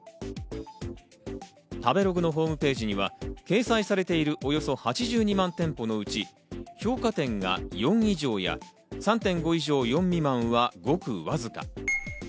食べログのホームページには掲載されているおよそ８２万店舗のうち、評価点が４以上や３．５以上は、ごくわずか。